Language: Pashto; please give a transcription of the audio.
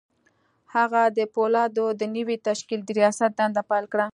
هغه د پولادو د نوي تشکيل د رياست دنده پيل کړه.